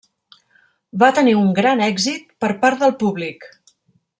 Va tenir un gran èxit per part del públic.